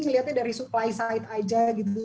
ngelihatnya dari supply side aja gitu